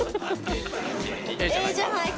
ええじゃないか？